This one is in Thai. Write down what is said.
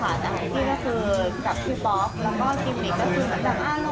และก็ทีวีดีก็คือคือแบบอารมณ์ลงทุกค่าวและสนแบบข้างหน้า